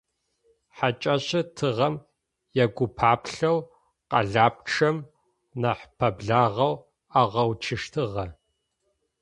Хьакӏэщыр тыгъэм егупаплъэу къэлапчъэм нахь пэблагъэу агъэуцущтыгъэ.